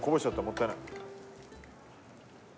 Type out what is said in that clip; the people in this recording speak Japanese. もったいない。